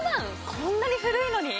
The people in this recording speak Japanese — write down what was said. こんなに古いのに？